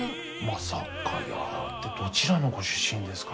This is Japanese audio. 「まさかやー」ってどちらのご出身ですかね。